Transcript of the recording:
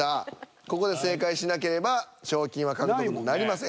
ここで正解しなければ賞金は獲得になりません。